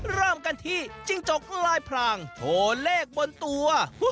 เริ่มกันที่จิ้งจกลายพรางโชว์เลขบนตัว